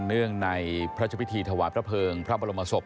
เนื่องในพระพิธีถวายพระเภิงพระบรมศพ